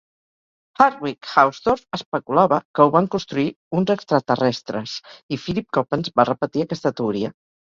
Hartwig Hausdorf especulava que ho van construir uns extraterrestres i Philip Coppens va repetir aquesta teoria.